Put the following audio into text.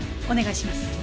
お願いします。